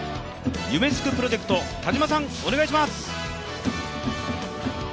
夢すくプロジェクト、田島さん、お願いします。